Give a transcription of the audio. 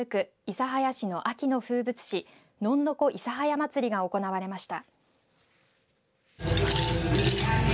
諫早市の秋の風物詩のんのこ諫早まつりが行われました。